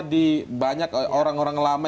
di banyak orang orang lama